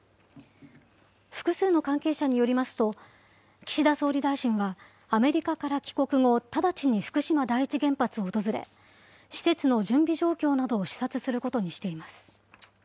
複数の関係者によりますと、岸田総理大臣は、アメリカから帰国後、直ちに福島第一原発を訪れ、施設の準備状況などを視察することにしています。